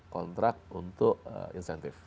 kontrak untuk incentive